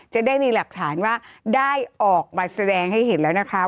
จะได้มีหลักฐานว่าได้ออกมาแสดงให้เห็นแล้วนะคะ